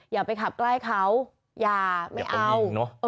อย่าไปขับใกล้เขาอย่าไม่เอา